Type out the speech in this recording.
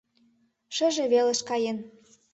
Шыже велыш каен.